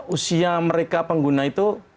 usia mereka pengguna itu